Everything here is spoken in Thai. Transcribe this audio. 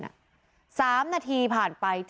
๓นาทีผ่านไป